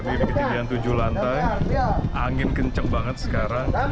ini ketika tujuh lantai angin kencang sekali sekarang